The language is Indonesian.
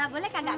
boleh kagak kang